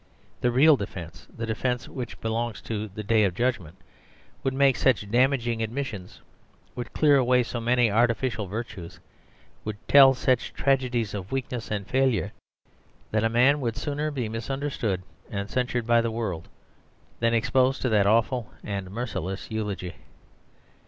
The real defence, the defence which belongs to the Day of Judgment, would make such damaging admissions, would clear away so many artificial virtues, would tell such tragedies of weakness and failure, that a man would sooner be misunderstood and censured by the world than exposed to that awful and merciless eulogy.